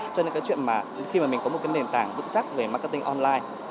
cho nên cái chuyện mà khi mà mình có một cái nền tảng vững chắc về marketing online